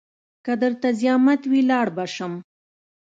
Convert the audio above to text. که درته زيامت وي لاړ به سم.